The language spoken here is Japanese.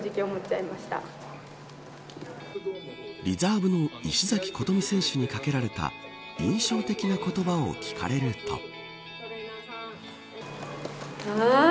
リザーブの石崎琴美選手にかけられた印象的な言葉を聞かれると。